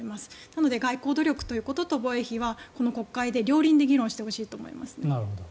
なので外交努力ということと防衛費は国会で両輪で議論してほしいですね。